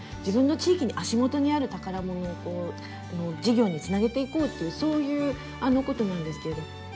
自分の地域に足元にある宝物をこう事業につなげていこうっていうそういうことなんですけれど。